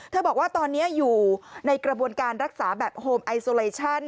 บอกว่าตอนนี้อยู่ในกระบวนการรักษาแบบโฮมไอโซเลชั่น